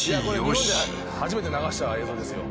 日本で初めて流した映像ですよ